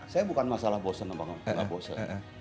saya bukan masalah bosen sama om enggak bosen